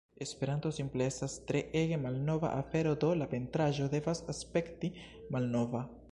Esperanto simple estas tre ege malnova afero do la pentraĵo devas aspekti malnova.